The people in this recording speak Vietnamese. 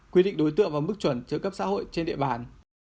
quy định đối tượng và mức chuẩn trợ cấp xã hội trên địa bàn